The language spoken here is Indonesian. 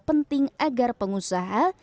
penting agar pengusaha